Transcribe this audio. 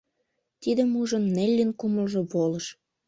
Тидым ужын, Неллин кумылжо волыш.